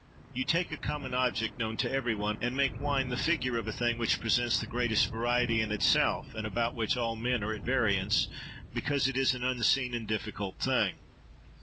You take a common object known to every one, and make wine the figure of a thing which presents the greatest variety in itself, and about which all men are at variance, because it is an unseen and difficult thing.